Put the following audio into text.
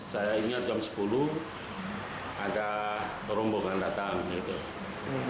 saya ingat jam sepuluh ada rombongan datang gitu